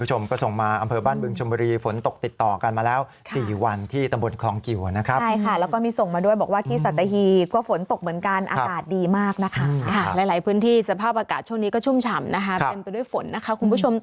หลายพื้นที่สภาพอากาศช่วงนี้ก็ชุ่มฉ่ำนะครับเป็นไปด้วยฝนนะครับคุณผู้ชม